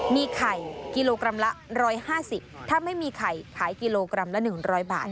มีไข่กิโลกรัมละ๑๕๐ถ้าไม่มีไข่ขายกิโลกรัมละ๑๐๐บาท